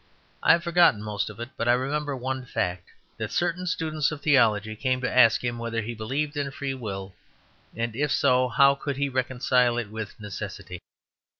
I have forgotten most of it, but I remember one fact: that certain students of theology came to ask him whether he believed in free will, and, if so, how he could reconcile it with necessity.